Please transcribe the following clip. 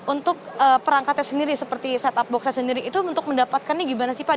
untuk perangkatnya sendiri seperti setup boxnya sendiri itu untuk mendapatkan ini bagaimana sih pak